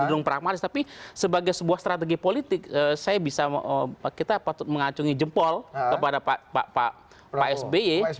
tapi sebagai sebuah strategi politik kita patut mengacungi jempol kepada pak sby